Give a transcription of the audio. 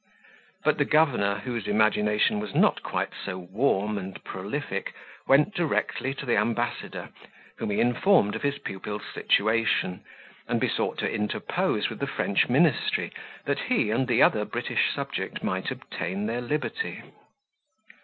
But the governor whose imagination was not quite so warm and prolific, went directly to the ambassador, whom he informed of his pupil's situation, and besought to interpose with the French ministry, that he and the other British subject might obtain their liberty.